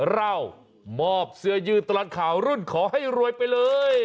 เรามอบเสื้อยืนตลอดข่าวรุ่นขอให้รวยไปเลย